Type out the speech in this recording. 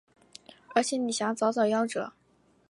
而且李遐早早夭折。